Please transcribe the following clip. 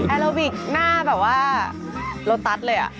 โลบิกหน้าแบบว่าโลตัสเลย